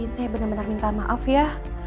saya bener bener minta maaf ya